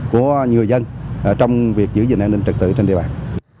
của người dân trong việc giữ gìn an ninh trật tự trên địa bàn